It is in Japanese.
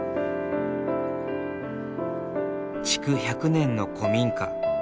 築１００年の古民家。